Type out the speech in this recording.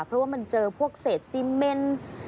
เพราะว่ามันเจอพวกเศษซีเมน